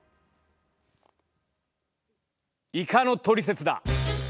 イカのトリセツだ。